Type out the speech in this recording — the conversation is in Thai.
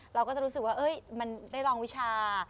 เราก็จะรู้สึกว่ามันได้ลองวิชา